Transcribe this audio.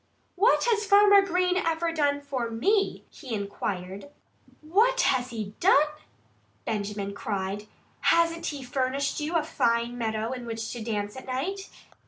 "What has Farmer Green ever done for me?" he inquired. "What has he done?" Benjamin cried. "Hasn't he furnished you a fine meadow in which to dance at night?